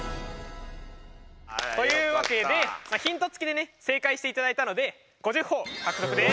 というわけでヒント付きでね正解していただいたので５０ほぉ獲得です。